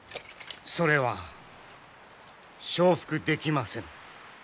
それは承服できませぬ。